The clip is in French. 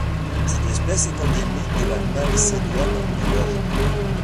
Cette espèce est endémique de la Macédoine du Nord.